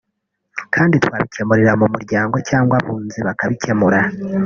kandi twabikemurira mu muryango cyangwa Abunzi bakabikemura”